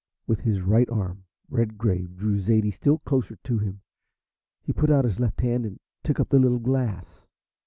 With his right arm Redgrave drew Zaidie still closer to him. He put out his left hand and took up the little glass.